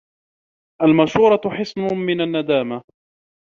الْمَشُورَةُ حِصْنٌ مِنْ النَّدَامَةِ